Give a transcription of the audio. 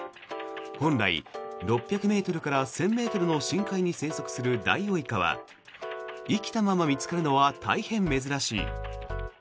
本来、６００ｍから１０００ｍの深海に生息するダイオウイカは生きたまま見つかるのは大変珍しい。